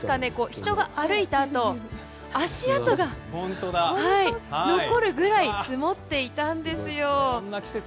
人が歩いたあと足跡が残るぐらい積もっていたんですよ。